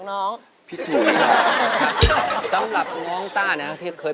รองดูนะสุดท้าย